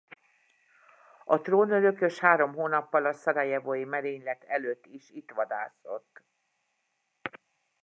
A trónörökös három hónappal a szarajevói merénylet előtt is itt vadászott.